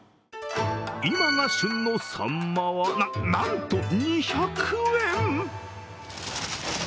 今が旬のさんまは、なんと２００円！